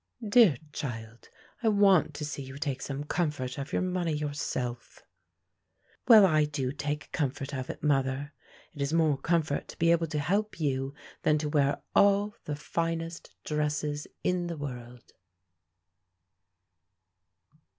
"Dear child, I want to see you take some comfort of your money yourself." "Well, I do take comfort of it, mother. It is more comfort to be able to help you than to wear all the finest dresses in the world."